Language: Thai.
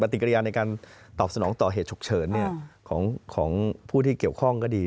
ติกริยาในการตอบสนองต่อเหตุฉุกเฉินของผู้ที่เกี่ยวข้องก็ดี